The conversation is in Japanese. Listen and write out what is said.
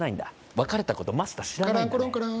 別れたことマスター知らないんだね